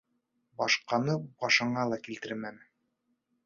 Башҡаны башыңа ла килтермә.